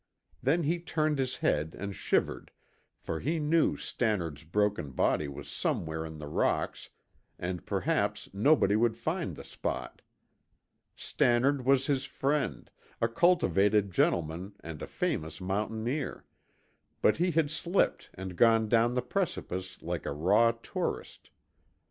Then he turned his head and shivered, for he knew Stannard's broken body was somewhere in the rocks and perhaps nobody would find the spot. Stannard was his friend, a cultivated gentleman and a famous mountaineer; but he had slipped and gone down the precipice like a raw tourist.